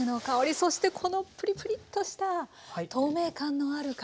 そしてこのプリプリッとした透明感のある皮。